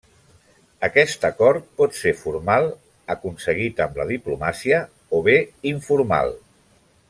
Aquest acord pot ser formal, aconseguit amb la diplomàcia, o bé informal.